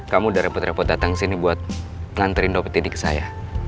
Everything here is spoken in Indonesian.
kamu udah repot repot datang ke sini buat ngantriin dopet tidik ke saya